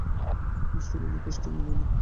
কষ্ট বিনে কেষ্ট মেলে না।